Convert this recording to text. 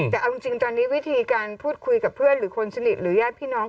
แต่เอาจริงตอนนี้วิธีการพูดคุยกับเพื่อนหรือคนสนิทหรือญาติพี่น้อง